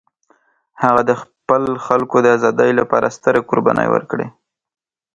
هغه د خپل خلکو د ازادۍ لپاره سترې قربانۍ ورکړې.